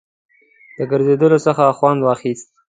له ګرځېدلو څخه خوند واخیست.